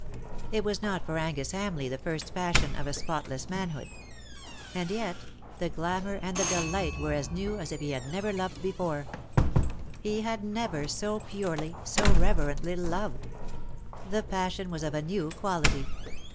It was not for Angus Hamleigh the first passion of a spot less manhood ; and yet the glamour and the delight ^^TINTAGEL, HALF IN SEA, AND HALF ON LAND." 95 were as new as if he had never loved before. He had never so purely, so reverently loved. The passion was of a new quality.